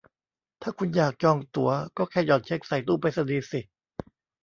ถ้าคุณอยากจองตั๋วก็แค่หย่อนเช็กใส่ตู้ไปรษณีย์สิ